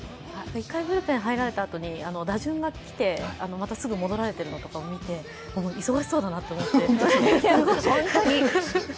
一回ブルペン入られたあとに、打順が来てすぐ戻られているのを見て忙しそうだなと思って。